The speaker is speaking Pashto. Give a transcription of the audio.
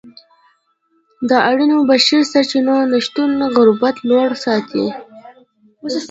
د اړینو بشري سرچینو نشتون غربت لوړ ساتلی.